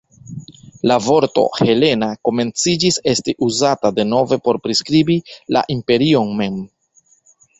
La vorto "Helena" komenciĝis esti uzata denove por priskribi la imperion mem.